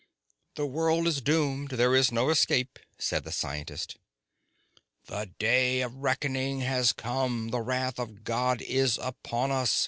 "The world is doomed. There is no escape," said the scientist. "The day of reckoning has come! The wrath of God is upon us!"